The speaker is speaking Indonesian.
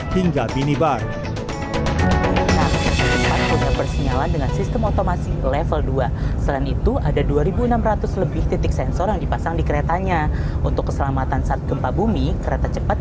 hingga bini bar